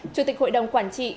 chủ tịch hội đồng quản trị